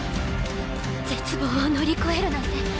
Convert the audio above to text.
絶望を乗り越えるなんて